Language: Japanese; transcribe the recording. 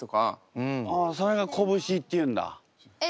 ああそれがこぶしって言うんだ。